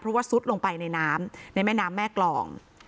เพราะว่าซุดลงไปในน้ำในแม่น้ำแม่กรอง